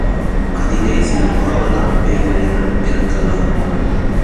அதிலே சில பாவலாப் பேர்வழிகளும் இருக்கலாம்.